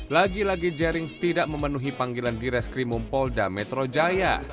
lagi lagi jaring tidak memenuhi panggilan di reskrim mumpolda metro jaya